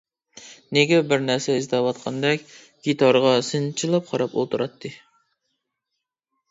نېگىر بىر نەرسە ئىزدەۋاتقاندەك گىتارغا سىنچىلاپ قاراپ ئولتۇراتتى.